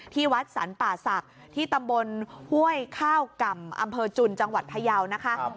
ที่วัดสรรป่าศักดิ์ที่ตำบลห้วยข้าวก่ำอำเภอจุนจังหวัดพยาวนะคะ